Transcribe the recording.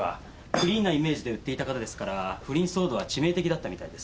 クリーンなイメージで売っていた方ですから不倫騒動は致命的だったみたいです。